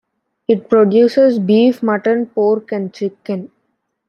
It produces beef, mutton, pork and chicken.